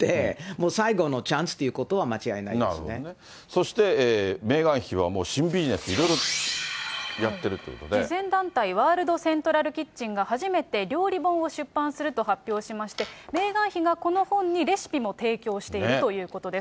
そして、メーガン妃はもう新ビジネスいろいろや慈善団体、ワールド・セントラル・キッチンが初めて料理本を出版すると発表しまして、メーガン妃がこの本にレシピも提供しているということです。